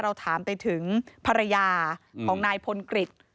เราถามไปถึงภรรยาของนายพลกฤษ